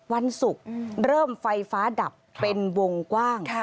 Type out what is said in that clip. วันศุกร์เริ่มไฟฟ้าดับเป็นวงกว้าง